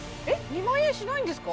２万円しないんですか？